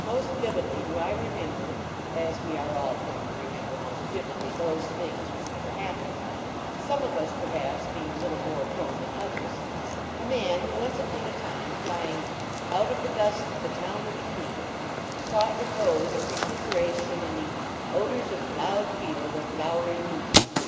Most vividly do I remember, as we arc all prone to remember most vividly those things which never happened some of us, perhaps, being a little more prone than others a man who once upon a time, flying " out of the dust of the town of the king," sought repose and recuperation in the " odors of ploughed field or flowery mead."